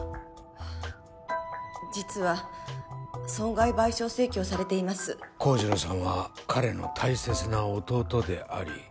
はあ実は損害賠償請求をされています幸次郎さんは彼の大切な弟であり